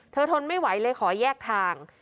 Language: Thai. ทนไม่ไหวเลยขอแยกทาง